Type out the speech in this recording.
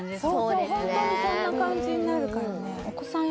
そうそうホントにそんな感じになるからね